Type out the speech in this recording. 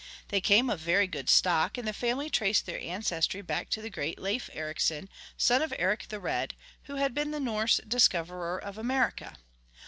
They came of very good stock, and the family traced their ancestry back to the great Leif Ericsson, son of Eric the Red, who had been the Norse discoverer of America.